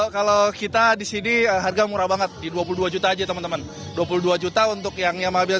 kalau kita di sini harga murah banget di dua puluh dua juta aja teman teman dua puluh dua juta untuk yang mabil